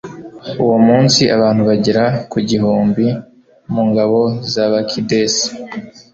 uwo munsi abantu bagera ku gihumbi mu ngabo za bakidesi